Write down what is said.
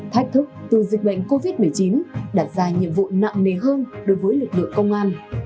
thách thức từ dịch bệnh covid một mươi chín đặt ra nhiệm vụ nặng nề hơn đối với lực lượng công an